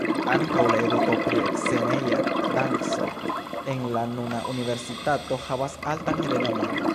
Ankaŭ la eduko pri sceneja danco en la nuna universitato havas altan renomon.